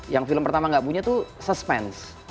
yang film pertama gak punya tuh suspense